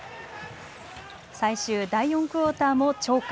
最終第４クオーターも鳥海。